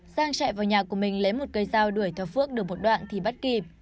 giang chạy vào nhà của mình lấy một cây dao đuổi theo phước được một đoạn thì bắt kịp